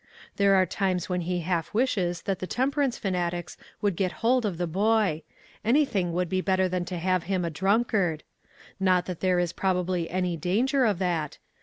There are times when he half wishes that the temperance fanatics would get hold of the boy ; anything would be better than THE PAST AND THE PRESENT. to have him a drunkard. Not that there is probably any danger of that.